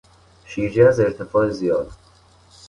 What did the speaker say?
شیرجه از ارتفاع زیاد